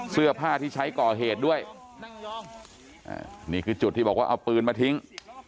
เสื้อผ้าที่ใช้ก่อเหตุด้วยนี่คือจุดที่บอกว่าเอาปืนมาทิ้ง